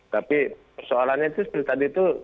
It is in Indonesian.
tapi soalannya itu seperti tadi itu